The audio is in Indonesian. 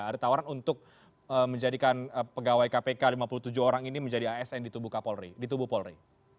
ada tawaran untuk menjadikan pegawai kpk lima puluh tujuh orang ini menjadi asn di tubuh kapolri di tubuh polri